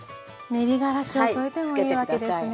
練りがらしを添えてもいいわけですね。